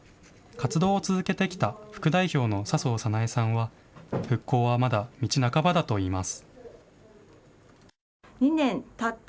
活動を続けてきた副代表の笹生さなえさんは復興はまだ道半ばだといいます。